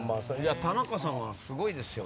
田中さんはすごいですよ。